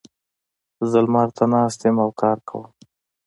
زه لمر ته ناست یم او کار کوم.